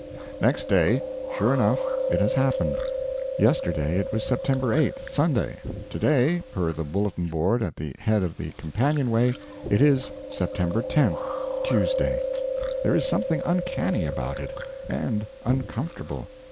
Next Day. Sure enough, it has happened. Yesterday it was September 8, Sunday; to day, per the bulletin board at the head of the companionway, it is September 10, Tuesday. There is something uncanny about it. And uncomfortable.